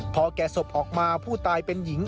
พอแก่ศพออกมาผู้ตายเป็นหญิง